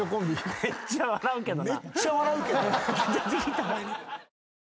めっちゃ笑うけど。